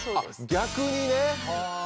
逆にね。